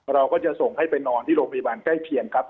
เราก็จะส่งให้ไปนอนที่โรงพยาบาลใกล้เคียงครับ